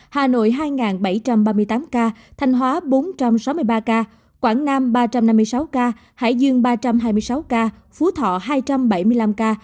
hà nội hai bảy trăm ba mươi tám ca thanh hóa bốn trăm sáu mươi ba ca quảng nam ba trăm năm mươi sáu ca hải dương ba trăm hai mươi sáu ca phú thọ hai trăm bảy mươi năm ca